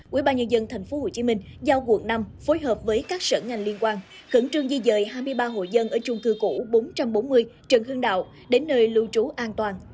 quỹ ba nhân dân tp hcm giao quận năm phối hợp với các sở ngành liên quan khẩn trương di dời hai mươi ba hộ dân ở chung cư cũ bốn trăm bốn mươi trần hưng đạo đến nơi lưu trú an toàn